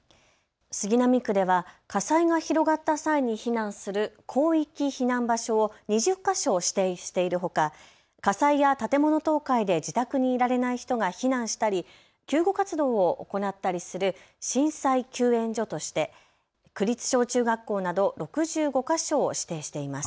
杉並区では火災が広がった際に避難する広域避難場所を２０か所指定しているほか火災や建物倒壊で自宅にいられない人が避難したり救護活動を行ったりする震災救援所として区立小中学校など６５か所を指定しています。